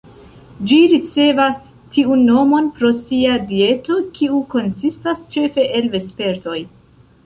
Ĝi ricevas tiun nomon pro sia dieto, kiu konsistas ĉefe el vespertoj.